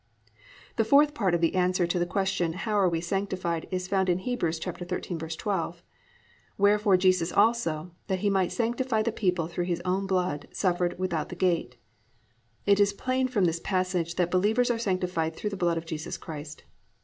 "+ 4. The fourth part of the answer to the question how we are sanctified is found in Heb. 13:12, +"Wherefore, Jesus also, that he might sanctify the people through his own blood suffered without the gate."+ It is plain from this passage that believers are sanctified through the blood of Jesus Christ.